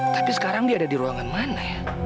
tapi sekarang dia ada di ruangan mana ya